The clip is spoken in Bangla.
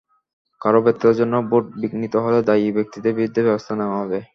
কারও ব্যর্থতার জন্য ভোট বিঘ্নিত হলেই দায়ী ব্যক্তিদের বিরুদ্ধে ব্যবস্থা নেওয়া হবে।